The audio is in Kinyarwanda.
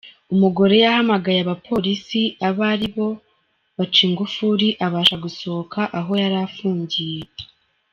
Umugore yahamagaye abapolisi aba aribo baca ingufuri abasha gusohoka aho yari afungiwe.